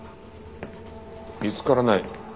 見つからない？